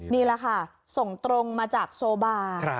นี้ละการ์นตรงมาจากโซบาร์